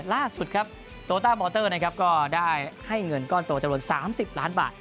ล่าสุดครับโตต้ามอเตอร์นะครับก็ได้ให้เงินก้อนโตจำนวน๓๐ล้านบาท